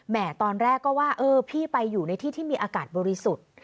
ตอนแรกก็ว่าเออพี่ไปอยู่ในที่ที่มีอากาศบริสุทธิ์